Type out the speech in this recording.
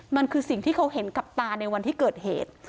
มันคือสิ่งที่เขาเห็นกับตาในวันที่เกิดเหตุ